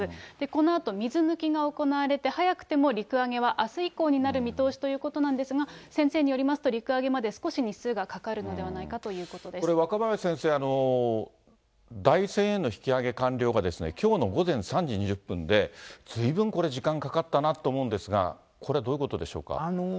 このあと水抜きが行われて、早くても陸揚げはあす以降になる見通しということなんですが、先生によりますと、陸揚げまで少し日数がかかるのではないかというこれ、若林先生、台船への引き揚げ完了がきょうの午前３時２０分で、ずいぶんこれ、時間かかったなと思うんですが、これ、どういうことでしょうか。